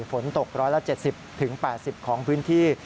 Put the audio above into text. ฝนตกร้อยละ๗๐๘๐ของพื้นที่